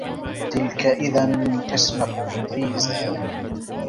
تِلكَ إِذًا قِسمَةٌ ضيزى